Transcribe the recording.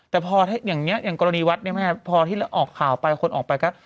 แต่อย่างนี้อย่างกรณีวัดนี้พอออกค่าไปคนออกไปก็